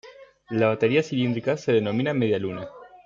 La batería cilíndrica se denomina media luna.